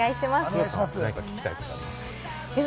何か聞きたいことありますか？